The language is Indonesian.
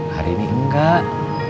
hari ini enggak